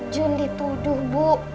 jun dituduh bu